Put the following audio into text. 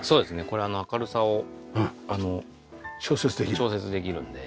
これ明るさを調節できるので。